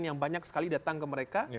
yang banyak sekali datang ke mereka